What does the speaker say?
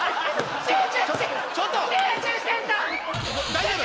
大丈夫？